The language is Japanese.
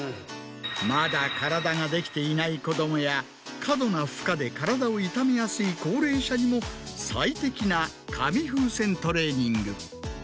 まだ体ができていない子供や過度な負荷で体を痛めやすい高齢者にも最適な紙風船トレーニング。